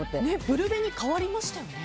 ブルベに変わりましたよね。